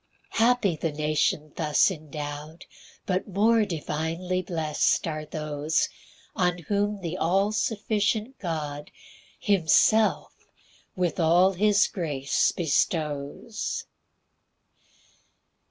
3 Happy the nation thus endow'd, But more divinely blest are those On whom the all sufficient God Himself with all his grace bestows.